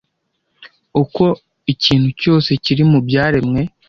Uko ikintu cyose kiri mu byaremwe